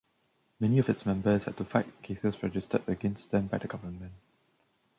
Many of its members had to fight cases registered against them by the Government.